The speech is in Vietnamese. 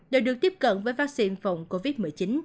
đều được tiếp cận với vaccine phòng covid một mươi chín